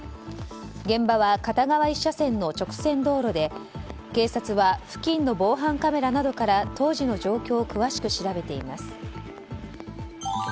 現場は片側１車線の直線道路で警察は付近の防犯カメラなどから当時の状況を詳しく調べています。